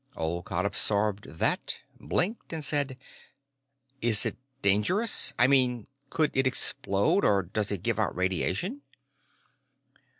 Olcott absorbed that, blinked, and said: "Is it dangerous? I mean, could it explode, or does it give out radiation?"